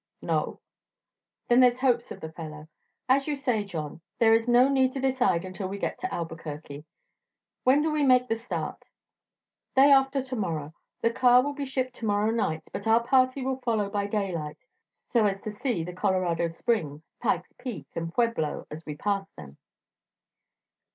"No." "Then there's hopes of the fellow. As you say, John, there is no need to decide until we get to Albuquerque. When do we make the start?" "Day after to morrow. The car will be shipped to morrow night, but our party will follow by daylight, so as to see Colorado Springs, Pike's Peak and Pueblo as we pass by them."